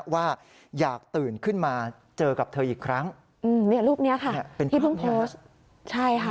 ว่าอยากตื่นขึ้นมาเจอกับเธออีกครั้งรูปนี้ค่ะที่เพิ่งโพสต์